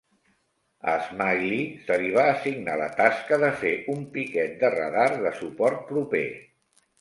A "Smalley" se li va assignar la tasca de fer un piquet de radar de suport proper.